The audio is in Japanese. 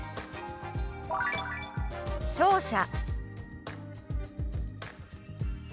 「聴者」。